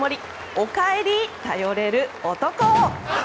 おかえり、頼れる男。